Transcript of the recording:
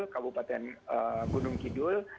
kabupaten gunung kidul